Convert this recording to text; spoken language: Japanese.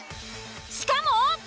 しかも！